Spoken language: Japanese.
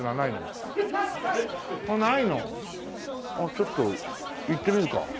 ちょっといってみるか。